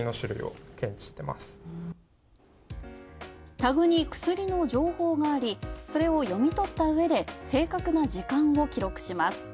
タグに薬の情報があり、それを読み取ったうえで正確な時間を記録します。